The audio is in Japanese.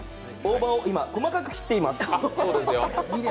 大葉を今、細かく切っています。